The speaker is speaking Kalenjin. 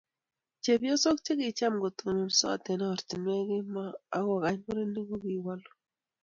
chepyosok che kicham kotononsot eng' ortinwek kemoi aku kany murenik ko kiwolu